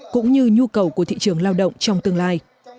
cũng như nhu cầu của thị trường lao động trong tương lai